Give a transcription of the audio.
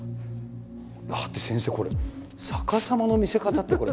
だって先生これ逆さまの見せ方ってこれ。